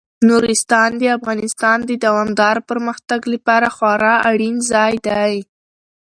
نورستان د افغانستان د دوامداره پرمختګ لپاره خورا اړین ځای دی.